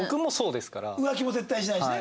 浮気も絶対しないしね。